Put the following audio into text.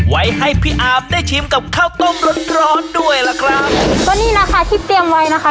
ไว้ให้พี่อาบได้ชิมกับข้าวต้มร้อนร้อนด้วยล่ะครับก็นี่แหละค่ะที่เตรียมไว้นะคะ